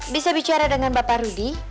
bisa bicara dengan bapak rudy